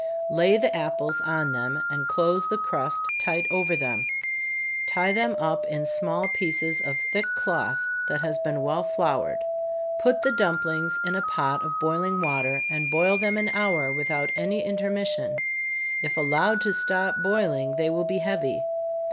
Lay the apples on them, and close the crust tight over them tie them up in small pieces of thick cloth, that has been well floured put the dumplings in a pot of boiling water, and boil them an hour without any intermission if allowed to stop boiling, they will be heavy.